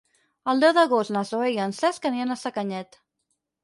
El deu d'agost na Zoè i en Cesc aniran a Sacanyet.